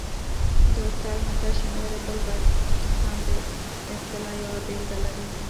د استاد حمزه شینواري بل بیت هم د اصطلاح یوه بېلګه لري